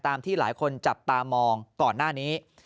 ที่หลายคนจับตามองก่อนหน้านี้